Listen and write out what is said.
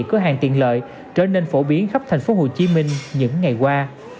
cửa hàng tiện lợi trở nên phổ biến khắp thành phố hồ chí minh những ngày qua